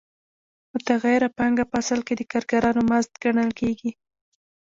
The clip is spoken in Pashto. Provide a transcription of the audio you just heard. متغیره پانګه په اصل کې د کارګرانو مزد ګڼل کېږي